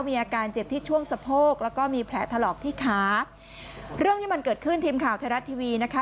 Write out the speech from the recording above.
มีอาการเจ็บที่ช่วงสะโพกแล้วก็มีแผลถลอกที่ขาเรื่องที่มันเกิดขึ้นทีมข่าวไทยรัฐทีวีนะคะ